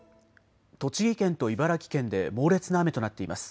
栃木県と茨城県で猛烈な雨となっています。